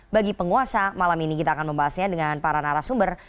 bagi penguasa malam ini kita akan membahasnya dengan para narasumber